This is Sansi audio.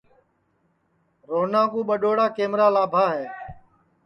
روہنا کُو ٻڈؔوڑا کمرا لابھا ہے